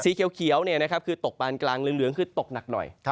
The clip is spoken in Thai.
สีเขียวคือตกปานกลางเหลืองคือตกหนักหน่อย